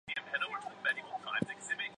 归葬于干陵。